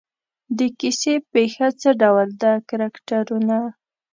د کیسې پېښه څه ډول ده کرکټرونه.